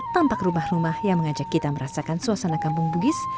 tampak rumah rumah yang mengajak kita merasakan suasana kampung bugis